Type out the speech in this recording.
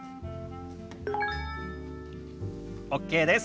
ＯＫです。